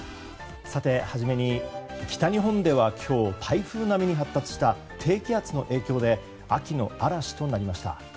さて、初めに北日本では今日台風並みに発達した低気圧の影響で秋の嵐となりました。